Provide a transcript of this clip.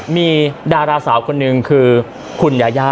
มีดาราสาวคนหนึ่งคือคุณยาย่า